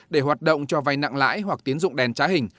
để hoạt động cho vay nặng lãi hoặc tiến dụng đèn trá hình